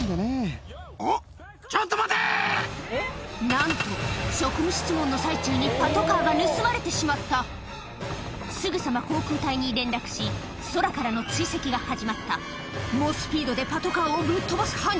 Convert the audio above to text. なんと職務質問の最中にすぐさま航空隊に連絡し空からの追跡が始まった猛スピードでパトカーをぶっ飛ばす犯人